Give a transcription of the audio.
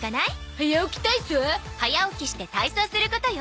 早起きして体操することよ